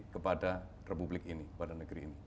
kepada republik ini kepada negeri ini